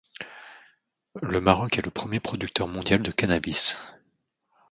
Le Maroc est le premier producteur mondial de cannabis.